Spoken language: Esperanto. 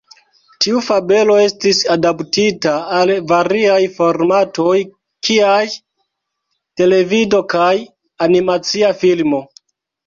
Tiu fabelo estis adaptita al variaj formatoj kiaj televido kaj animacia filmo.